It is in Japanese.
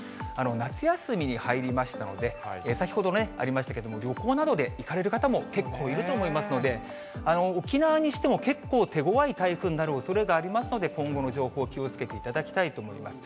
夏休みに入りましたので、先ほどありましたけども、旅行などで行かれる方も結構いると思いますので、沖縄にしても、結構手ごわい台風になるおそれがありますので、今後の情報、気をつけていただきたいと思います。